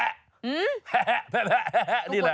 แพะนี่แหละ